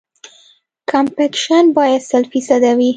کمپکشن باید سل فیصده وي